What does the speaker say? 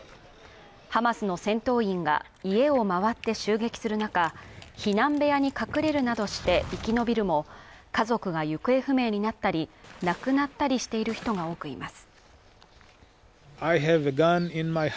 ハマスの戦闘員が家を回って襲撃する中避難小屋に隠れるなどして生き延びるも家族が行方不明になったり亡くなったりしている人が多くいます